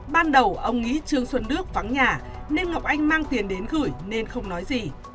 ban đầu ông nghĩ trương xuân đức vắng nhà nên ngọc anh mang tiền đến gửi nên không nói gì